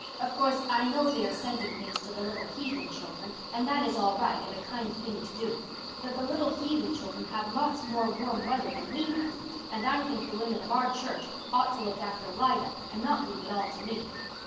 Of course, I know they are sending things to the little heathen children, and that is all right and a kind thing to do. But the little heathen children have lots more warm weather than we have, and I think the women of our church ought to look after Lida and not leave it all to me.